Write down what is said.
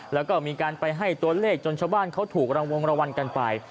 แล้วก็มีการไปให้ตัวเลขจนชาวบ้านเขาถูกรางวงรางวัลกันไป